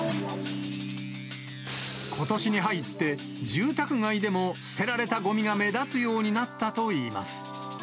ことしに入って、住宅街でも捨てられたごみが目立つようになったといいます。